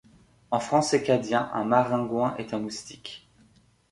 En français cadien un maringouin est un moustique.